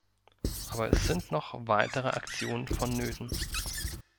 Aber es sind noch weitere Aktionen vonnöten.